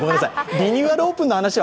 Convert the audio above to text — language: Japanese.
リニューアルオープンは？